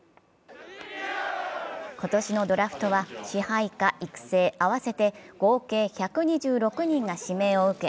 今年のドラフトは支配下・育成合わせて合計１２６人が指名を受け